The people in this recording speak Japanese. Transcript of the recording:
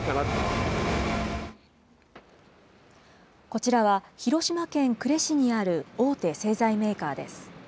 こちらは広島県呉市にある大手製材メーカーです。